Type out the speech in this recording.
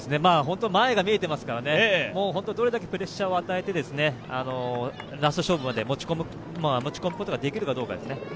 前が見えていますからどれだけプレッシャーを与えてラスト勝負まで持ち込むことができるかどうかですね。